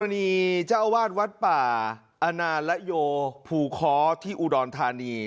ณีเจ้าอาวาสวัดป่าอาณาละโยภูค้อที่อุดรธานี